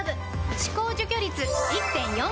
歯垢除去率 １．４ 倍！